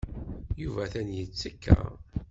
Yuba atan yettekka.